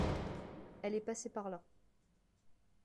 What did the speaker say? Elle est passée par là.